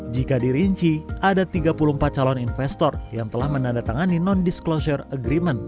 jika dirinci ada tiga puluh empat calon investor yang telah menandatangani non disclosure agreement